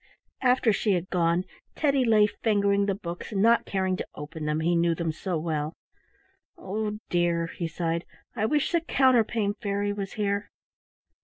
After she had gone Teddy lay fingering the books and not caring to open them, he knew them so well. "Oh dear!" he sighed, "I wish the Counterpane Fairy was here!"